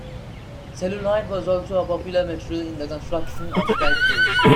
Celluloid was also a popular material in the construction of slide rules.